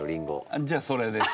あっじゃあそれです。